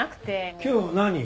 今日は何？